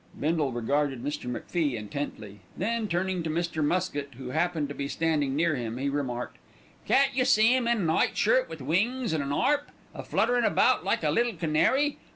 Bindle regarded Mr. MacFie intently, then turning to Mr. Muskett, who happened to be standing near him, he remarked: "Can't you see 'im in a night shirt with wings and an 'arp, a flutterin' about like a little canary.